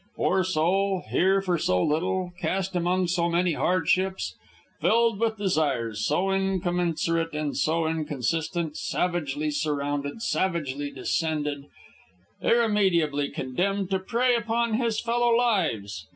Poor soul, here for so little, cast among so many hardships, filled with desires so incommensurate and so inconsistent; savagely surrounded, savagely descended, irremediably condemned to prey upon his fellow lives.